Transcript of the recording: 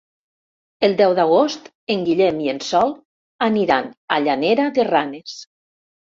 El deu d'agost en Guillem i en Sol aniran a Llanera de Ranes.